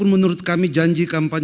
f pertimbangan kemah